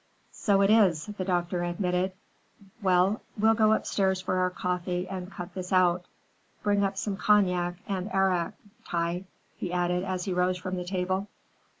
"So it is," the doctor admitted. "Well, we'll go upstairs for our coffee and cut this out. Bring up some cognac and arak, Tai," he added as he rose from the table.